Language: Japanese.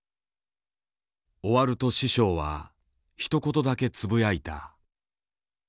終わると師匠はひと言だけつぶやいた。